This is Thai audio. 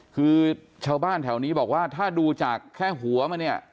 คือชาวบ้านแถวนี้บอกว่าถ้าดูจากแค่หัวมันเนี่ย